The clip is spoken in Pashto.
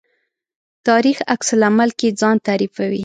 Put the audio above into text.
تاریخ عکس العمل کې ځان تعریفوي.